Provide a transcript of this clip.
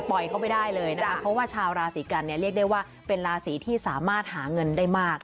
เข้าไปได้เลยนะคะเพราะว่าชาวราศีกันเนี่ยเรียกได้ว่าเป็นราศีที่สามารถหาเงินได้มาก